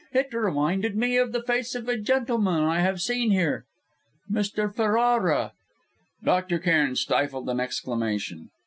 It reminded me of the face of a gentleman I have seen here Mr. Ferrara " Dr. Cairn stifled an exclamation.